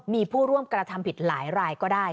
มีผู้ร่วมกระทำผิดหลายรายก็ได้